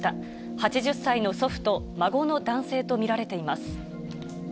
８０歳の祖父と孫の男性と見られています。